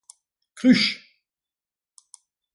Cruche!